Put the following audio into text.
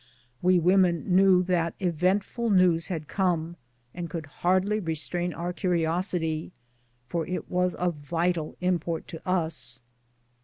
We women knew that eventful news had come, and could hardly restrain our curiosity^ for it was of vital import to us.